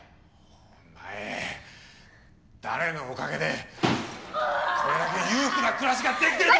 お前誰のおかげでこれだけ裕福な暮らしが出来てると。